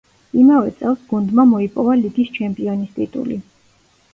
იმავე წელს გუნდმა მოიპოვა ლიგის ჩემპიონის ტიტული.